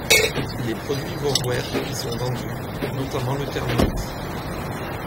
Les produits Vorwerk y sont vendus, notamment le Thermomix.